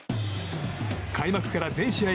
開幕から全試合